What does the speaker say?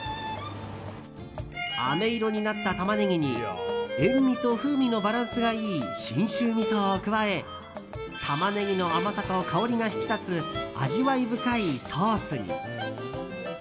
あめ色になったタマネギに塩みと風味のバランスがいい信州みそを加えタマネギの甘さと香りが引き立つ味わい深いソースに。